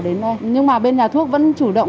đến nay nhưng mà bên nhà thuốc vẫn chủ động